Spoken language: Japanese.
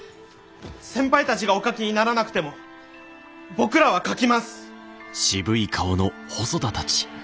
先輩たちがお書きにならなくても僕らは書きます！